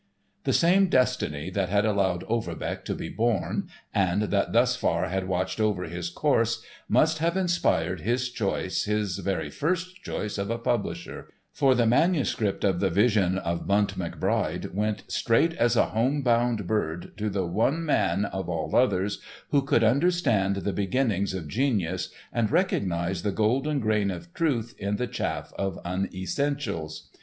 The same destiny that had allowed Overbeck to be born, and that thus far had watched over his course, must have inspired his choice, his very first choice, of a publisher, for the manuscript of "The Vision of Bunt McBride" went straight as a home bound bird to the one man of all others who could understand the beginnings of genius and recognise the golden grain of truth in the chaff of unessentials.